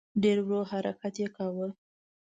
ډېر ورو حرکت یې کاوه.